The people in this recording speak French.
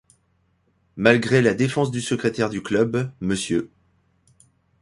Malgré la défense du secrétaire du club, Mr.